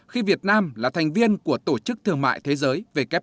khi việt nam là thành viên của tổ chức thương mại thế giới